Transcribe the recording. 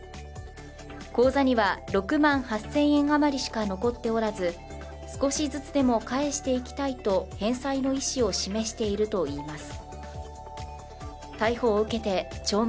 口座には６万８０００円余りしか残っておらず少しずつでも返していきたいと返済の意思を示しているといいます。